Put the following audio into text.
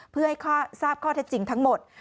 เพื่อให้ทราบข้อเท็จจริงทั้งหมด